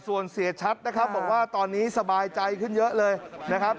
ส่วนเสียชัดนะครับบอกว่าตอนนี้สบายใจขึ้นเยอะเลยนะครับ